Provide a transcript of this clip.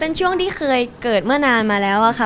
เป็นช่วงที่เคยเกิดเมื่อนานมาแล้วอะค่ะ